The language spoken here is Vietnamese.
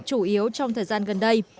chủ yếu trong thời gian gần đây